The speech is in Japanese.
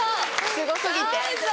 すご過ぎて。